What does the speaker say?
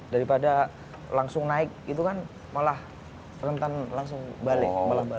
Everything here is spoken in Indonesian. daripada langsung naik gitu kan malah terlalu langsung balik